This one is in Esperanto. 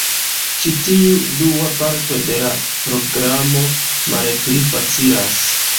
Ĉi tiu dua parto de la programo malpli facilas.